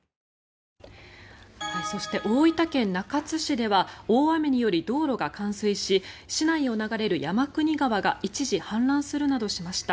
そして、大分県中津市では大雨により道路が冠水し市内を流れる山国川が一時、氾濫するなどしました。